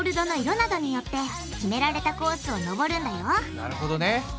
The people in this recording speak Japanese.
なるほどね。